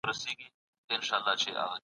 نه یوازي پاچهي